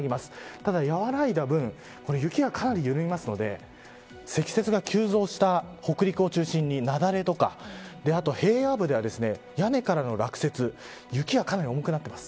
ただ和らいだ分雪がかなり緩むので積雪が急増した北陸を中心に雪崩とかあと平野部では屋根からの落雪雪がかなり重くなってます。